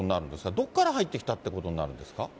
どこから入ってきたってことになるんですか？